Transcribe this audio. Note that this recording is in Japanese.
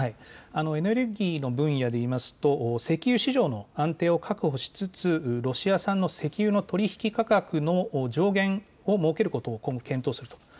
エネルギーの分野で言いますと石油市場の安定を確保しつつロシア産の石油の取り引き価格の上限を設けること今後検討すると。